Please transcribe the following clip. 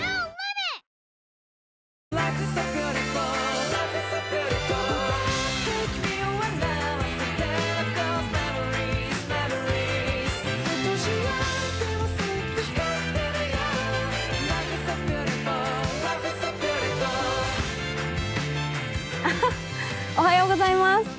おはようございます。